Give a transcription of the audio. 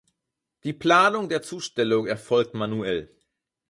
Die Planung der Zustellung erfolgt manuell.